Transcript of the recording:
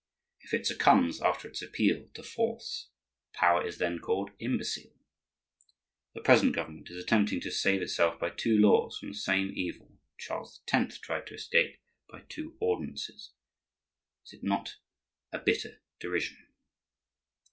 If it succumbs after its appeal to force, power is then called imbecile. The present government is attempting to save itself by two laws from the same evil Charles X. tried to escape by two ordinances; is it not a bitter derision?